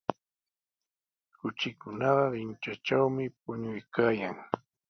Kuchikunaqa kanchantrawmi puñuykaayan.